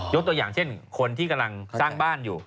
ตัวอย่างเช่นคนที่กำลังสร้างบ้านอยู่